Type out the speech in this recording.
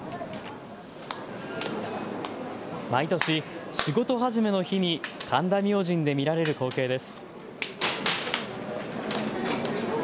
毎年、仕事始めの日に神田明神で見られる光景です。